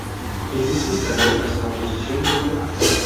El disco escaló hasta la posición No.